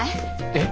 えっ？